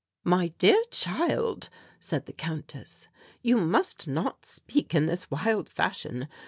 "My dear child," said the Countess, "you must not speak in this wild fashion.